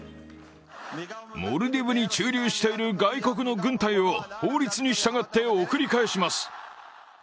モルディブに駐留している外国の軍隊を法律に従って送り返します。